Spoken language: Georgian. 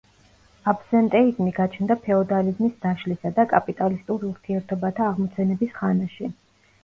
აბსენტეიზმი გაჩნდა ფეოდალიზმის დაშლისა და კაპიტალისტურ ურთიერთობათა აღმოცენების ხანაში.